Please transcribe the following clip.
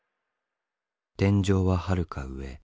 天井ははるか上。